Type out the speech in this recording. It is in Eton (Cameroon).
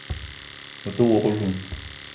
O te wok oloun